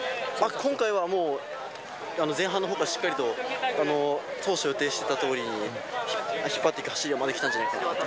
今回はもう、前半のほうからしっかりと、当初予定してたとおり、引っ張っていく走りができたんじゃないかなと。